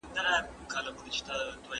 موږ ټول د رنځ په وړاندې یو شان یو.